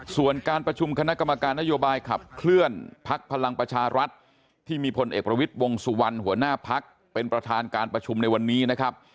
ส่วนการประชุมคณะกรรมการนโยบายขับเคลื่อนพักพลังประชารัฐที่มีพลเอกประวิทย์วงสุวรรณหัวหน้าพักเป็นประธานการประชุมในวันนี้นะครับ